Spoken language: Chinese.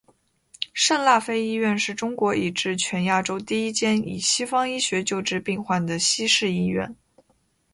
圣辣非医院是中国以至全亚洲第一间以西方医学救治病患的西式医院。